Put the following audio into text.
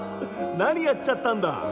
何やっちゃったんだ？